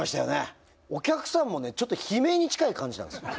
お客さんもねちょっと悲鳴に近い感じなんですよ。